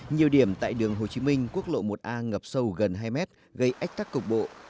nhiều điểm tại đường hồ chí minh quốc lộ một a ngập sâu gần hai mét gây ách tắc cục bộ